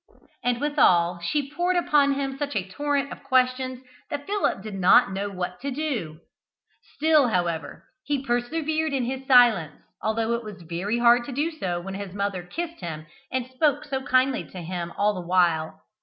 And withal she poured upon him such a torrent of questions that Philip did not know what to do. Still, however, he persevered in his silence, although it was very hard to do so when his mother kissed him and spoke so kindly to him all the while.